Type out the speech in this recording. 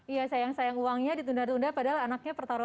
iya sayang sayang uangnya ditunda tunda padahal anaknya pertarungan